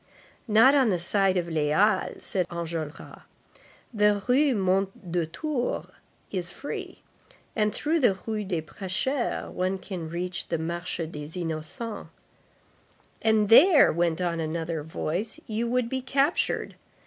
"Not on the side of the Halles," said Enjolras. "The Rue Mondétour is free, and through the Rue des Prêcheurs one can reach the Marché des Innocents." "And there," went on another voice, "you would be captured.